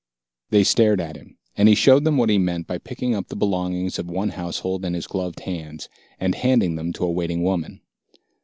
They stared at him, and he showed them what he meant by picking up the belongings of one household in his gloved hands, and handing them to a waiting woman.